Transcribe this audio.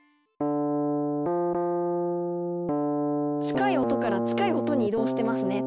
近い音から近い音に移動してますね。